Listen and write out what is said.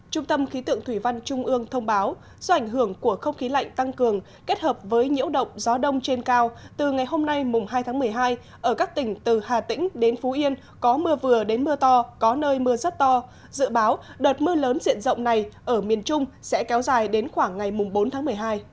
trung tâm khí tượng thủy văn trung ương thông báo do ảnh hưởng của không khí lạnh tăng cường kết hợp với nhiễu động gió đông trên cao từ ngày hôm nay hai tháng một mươi hai ở các tỉnh từ hà tĩnh đến phú yên có mưa vừa đến mưa to có nơi mưa rất to dự báo đợt mưa lớn diện rộng này ở miền trung sẽ kéo dài đến khoảng ngày bốn tháng một mươi hai